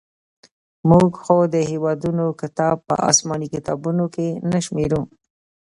موږ خو د هندوانو کتاب په اسماني کتابونو کښې نه شمېرو.